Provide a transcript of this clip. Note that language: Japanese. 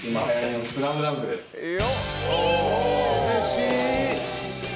うれしい！